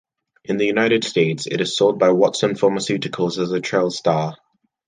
In the United States, it is sold by Watson Pharmaceuticals as Trelstar.